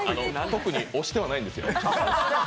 特に押してはないんですよ。